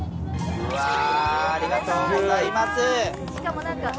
ありがとうございます。